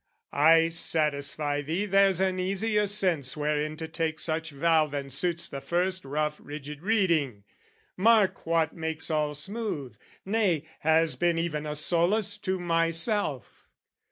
"I satisfy thee there's an easier sense "Wherein to take such vow than suits the first "Rough rigid reading. Mark what makes all smooth, "Nay, has been even a solace to myself!